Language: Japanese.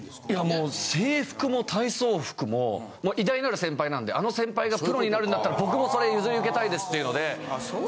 もう制服も体操服も偉大なる先輩なんであの先輩がプロになるんだったら僕もそれ譲り受けたいですっていうので。